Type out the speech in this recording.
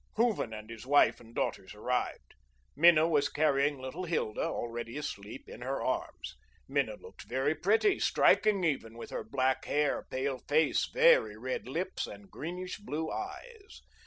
Hooven and his wife and daughters arrived. Minna was carrying little Hilda, already asleep, in her arms. Minna looked very pretty, striking even, with her black hair, pale face, very red lips and greenish blue eyes.